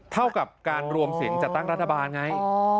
เท่ากับการรวมเสียงจัดตั้งรัฐบาลไง